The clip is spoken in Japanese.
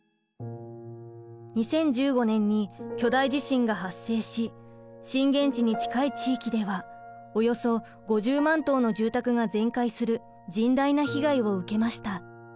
２０１５年に巨大地震が発生し震源地に近い地域ではおよそ５０万棟の住宅が全壊する甚大な被害を受けました。